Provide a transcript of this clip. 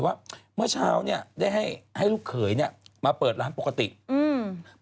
ว่าเมื่อเช้าเนี้ยได้ให้ให้ลูกเขยเนี้ยมาเปิดร้านปกติอืม